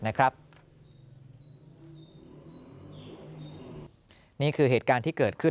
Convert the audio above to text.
นี่คือเหตุการณ์ที่เกิดขึ้น